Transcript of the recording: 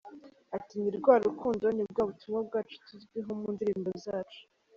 Ati, “Ni rwa rukundo, ni bwa butumwa bwacu tuzwiho mu ndirimbo zacu.